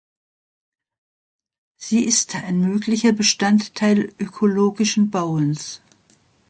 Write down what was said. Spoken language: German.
Sie ist ein möglicher Bestandteil ökologischen Bauens.